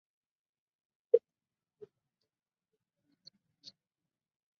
It is generally considered basically historical.